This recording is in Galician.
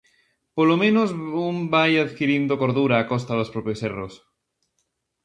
Polo menos un vai adquirindo cordura a costa dos propios erros.